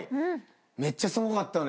めっちゃすごかったね。